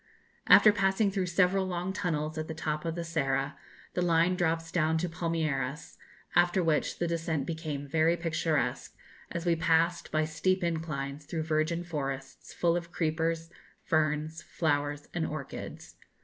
After passing through several long tunnels at the top of the Serra, the line drops down to Palmeiras, after which the descent became very picturesque, as we passed, by steep inclines, through virgin forests full of creepers, ferns, flowers, and orchids.